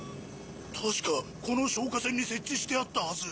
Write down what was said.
確かこの消火栓に設置してあったはず。